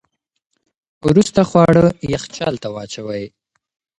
وروسته خواړه یخچال ته واچوئ.